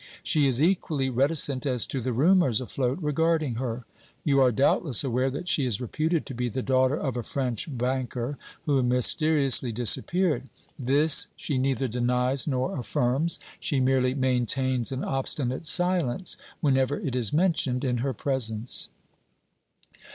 She is equally reticent as to the rumors afloat regarding her. You are, doubtless, aware that she is reputed to be the daughter of a French banker who mysteriously disappeared. This she neither denies nor affirms; she merely maintains an obstinate silence whenever it is mentioned in her presence."